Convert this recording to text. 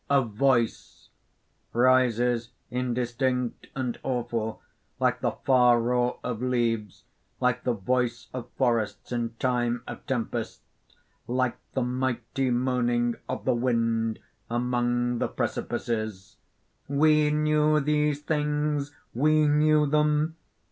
_) A VOICE (_rises, indistinct and awful, like the far roar of leaves, like the voice of forests in time of tempest, like the mighty moaning of the wind among the precipices_): "We knew these things! we knew them!